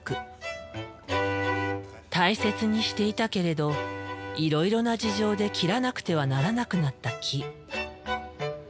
大切にしていたけれどいろいろな事情で切らなくてはならなくなった木。